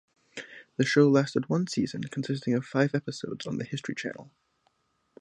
The show lasted one season consisting of five episodes on The History Channel.